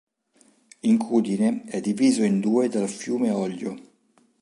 Incudine è diviso in due dal fiume Oglio.